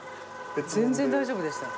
全然大丈夫でした。